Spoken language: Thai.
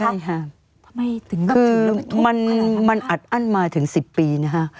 ใช่ค่ะคือมันอัดอั้นมาถึง๑๐ปีนะฮะ